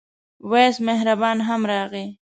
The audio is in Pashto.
وېس مهربان هم راغی.